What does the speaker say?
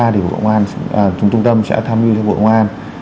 trung tâm sẽ tham dự cho bộ ngoan